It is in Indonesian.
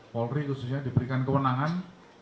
polri khususnya diberikan kewenangan